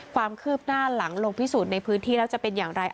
ความคืบหน้าหลังลงพิสูจน์ในพื้นที่แล้วจะเป็นอย่างไร